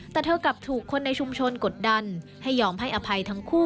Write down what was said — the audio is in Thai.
แต่เธอกลับถูกคนในชุมชนกดดันให้ยอมให้อภัยทั้งคู่